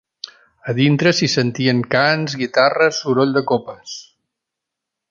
A dintre s'hi sentien cants, guitarres, soroll de copes